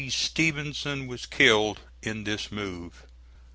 Stevenson was killed in this move.